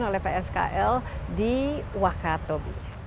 oleh pskl di wakatobi